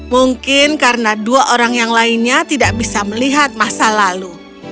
mungkin karena dua orang yang lainnya tidak bisa melihat masa lalu